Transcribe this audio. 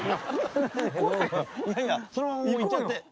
いやそのままもう行っちゃって。